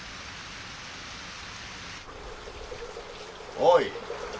おい。